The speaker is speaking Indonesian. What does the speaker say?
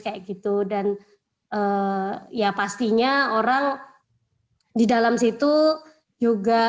kayak gitu dan ya pastinya orang di dalam situ juga